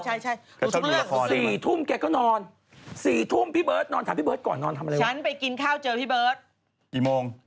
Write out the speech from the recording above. ใช่